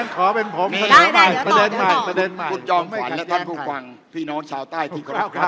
ข้อมูลที่มีเป็นหรอ